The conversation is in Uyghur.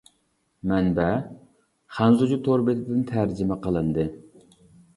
مەنبە: خەنزۇچە تور بېتىدىن تەرجىمە قىلىندى.